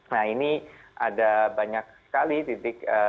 nah ini ada banyak sekali titik